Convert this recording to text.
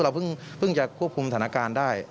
เราเพิ่งจะควบคุมสถานการณ์ได้